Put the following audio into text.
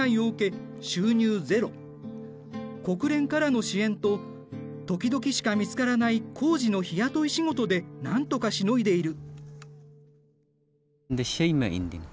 国連からの支援と時々しか見つからない工事の日雇い仕事でなんとかしのいでいる。